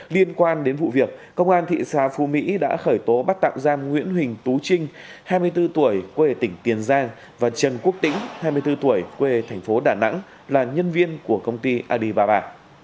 liên quan đến vụ việc công an thị xã phú mỹ đã khởi tố bắt tạm giam nguyễn huỳnh tú trinh hai mươi bốn tuổi quê tỉnh tiền giang và trần quốc tĩnh hai mươi bốn tuổi quê thành phố đà nẵng là nhân viên của công ty adibaba